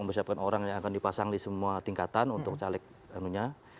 menyiapkan orang yang akan dipasang di semua tingkatan untuk caleg anunya